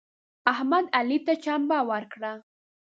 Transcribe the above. احمد علي ته چمبه ورکړه.